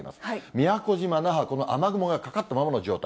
宮古島、那覇、この雨雲がかかったままの状態。